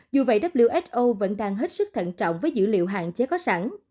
dù vậy who vẫn đang hết sức thận trọng với dữ liệu hạn chế có sẵn